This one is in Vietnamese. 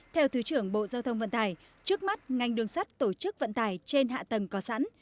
theo thứ trưởng bộ giao thông vận tải trước mắt ngành đường sắt tổ chức vận tải trên hạ tầng có sẵn